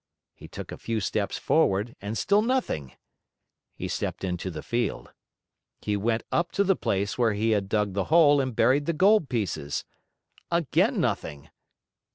He took a few steps forward, and still nothing! He stepped into the field. He went up to the place where he had dug the hole and buried the gold pieces. Again nothing!